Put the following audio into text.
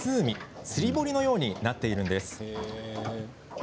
釣堀のようになっているんです。